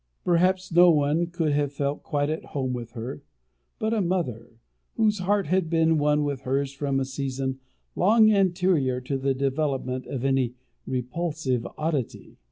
Perhaps no one could have felt quite at home with her but a mother, whose heart had been one with hers from a season long anterior to the development of any repulsive oddity.